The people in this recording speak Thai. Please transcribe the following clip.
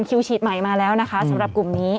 คิวฉีดใหม่มาแล้วนะคะสำหรับกลุ่มนี้